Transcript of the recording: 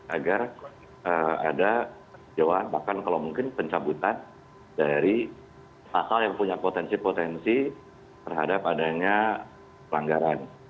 agar ada jawaban bahkan kalau mungkin pencabutan dari pasal yang punya potensi potensi terhadap adanya pelanggaran